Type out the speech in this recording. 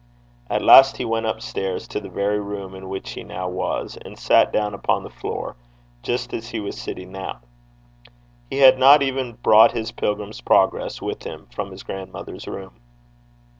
At last he went up stairs to the very room in which he now was, and sat down upon the floor, just as he was sitting now. He had not even brought his Pilgrim's Progress with him from his grandmother's room.